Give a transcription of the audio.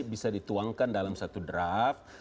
bisa dituangkan dalam satu draft